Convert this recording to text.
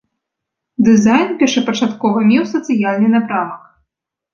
Дызайн першапачаткова меў сацыяльны напрамак.